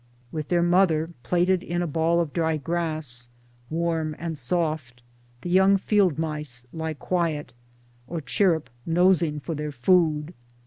With their mother plaited in a ball of dry grass, warm and soft, the young fieldmice lie quiet, or chirrup nosing for their food.